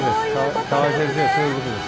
河合先生そういうことです。